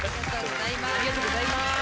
ありがとうございます。